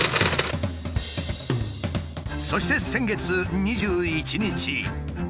そして先月２１日。